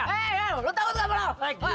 hei lu takut gak sama lu